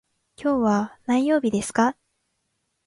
今日は何曜日ですか。